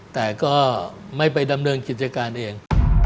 แต่ก็ไม่ไปดำเนินกิจการเอง